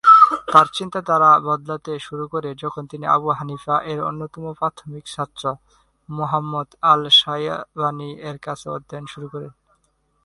তার চিন্তাধারা বদলাতে শুরু করে যখন তিনি আবু হানিফা এর অন্যতম প্রাথমিক ছাত্র, মুহাম্মদ আল-শায়বানি এর কাছে অধ্যয়ন শুরু করেন।